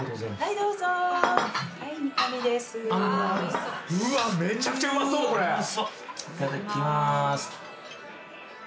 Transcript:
いただきまーす。